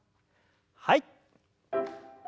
はい。